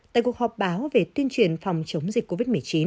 tại cuộc họp báo về tuyên truyền phòng chống dịch covid một mươi chín